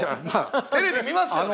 テレビ見ますよね？